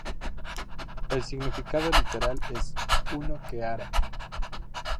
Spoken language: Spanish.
El significado literal es ""Uno que Ara"".